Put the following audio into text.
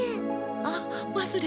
あっわすれてた。